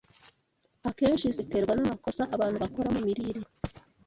akenshi ziterwa n’amakosa abantu bakora mu mirire.